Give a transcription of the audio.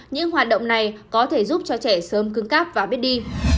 những hoạt động này có thể giúp cho trẻ sớm cưng cáp và biết đi